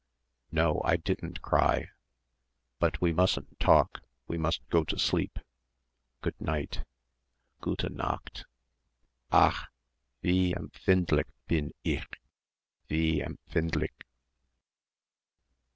"No, I didn't cry. But we mustn't talk. We must go to sleep. Good night." "Gute Nacht. Ach, wie empfindlich bin ich, wie empfindlich...."